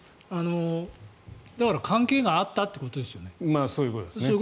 関係があったということですよね。